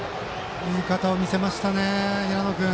いい肩を見せましたね平野君。